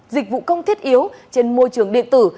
dịch vụ công thiết yếu trên môi trường điện tử